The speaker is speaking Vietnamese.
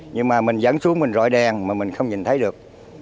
nhưng mà mình dẫn xuống mình rọi đèn mà mình không nhìn thấy được